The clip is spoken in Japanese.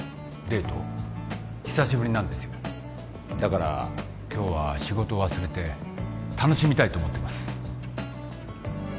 デート久しぶりなんですよだから今日は仕事を忘れて楽しみたいと思ってます